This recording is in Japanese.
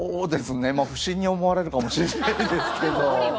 不審に思われるかもしれないですけど。